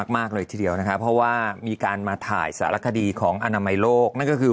มากเลยทีเดียวนะคะเพราะว่ามีการมาถ่ายสารคดีของอนามัยโลกนั่นก็คือ